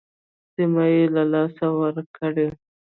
سیمې یې له لاسه ورکړې.